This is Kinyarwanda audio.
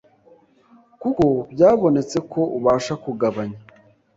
kuko byabonetse ko ubasha kugabanya